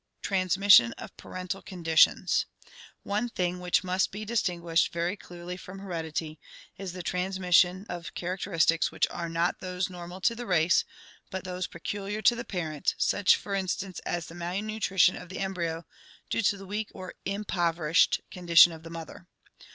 Transmission of Parental Conditions. — One thing which must be distinguished very clearly from heredity is the transmission of characteristics which are not those normal to the race but those peculiar to the parent, such for instance as the malnutrition of the embryo due to the weak or impoverished condition of the mother.